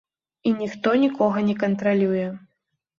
І ніхто нікога не кантралюе.